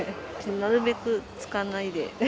なるべく使わないで。